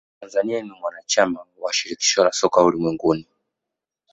tanzania ni mwanachama wa shirikisho la soka ulimwenguni